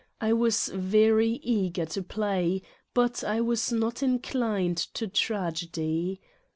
I was very eager to play, but I was not inclined to tragedy!